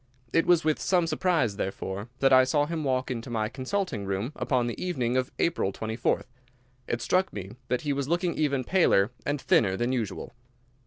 It was with some surprise, therefore, that I saw him walk into my consulting room upon the evening of the 24th of April. It struck me that he was looking even paler and thinner than usual.